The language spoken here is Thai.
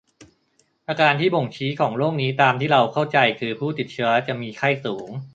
อาการที่บ่งชี้ของโรคนี้ตามที่เราเข้าใจคือผู้ติดเชื้อจะมีไข้สูง